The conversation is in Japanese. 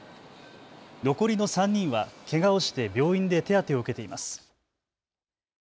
残りの３人はけがをして病院で手当てを受けています。